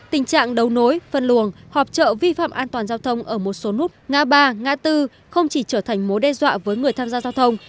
tình trạng đấu nối phân luồng họp trợ vi phạm an toàn giao thông ở một số nút ngã ba ngã tư không chỉ trở thành mối đe dọa với người tham gia giao thông